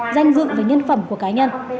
danh dự và nhân phẩm của cá nhân